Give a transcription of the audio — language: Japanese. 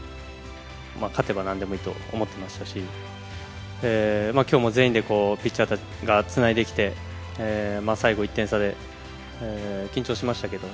勝てばなんでもいいと思ってましたし、きょうも全員でこう、ピッチャーがつないできて、最後１点差で緊張しましたけど、